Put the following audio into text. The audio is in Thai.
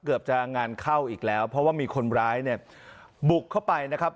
เกือบจะงานเข้าอีกแล้วเพราะว่ามีคนร้ายเนี่ยบุกเข้าไปนะครับ